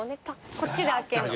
こっちで開けるの。